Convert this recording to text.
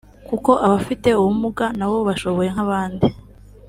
kuko abafite ubumuga nabo bashoboye nk’abandi